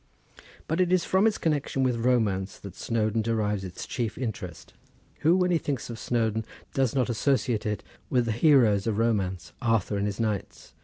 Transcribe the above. But it is from its connection with romance that Snowdon derives its chief interest. Who when he thinks of Snowdon does not associate it with the heroes of romance, Arthur and his knights?